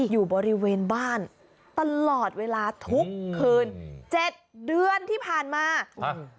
อยู่บริเวณบ้านตลอดเวลาทุกคืนเจ็ดเดือนที่ผ่านมาอ้าว